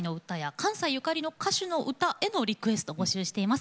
「関西ゆかりの歌手の歌」へのリクエストを募集しています。